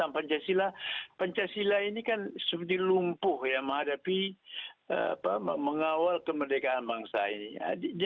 pancasila ini kan dilumpuh ya menghadapi mengawal kemerdekaan bangsa ini